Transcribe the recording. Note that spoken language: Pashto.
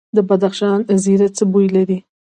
د بدخشان زیره څه بوی لري؟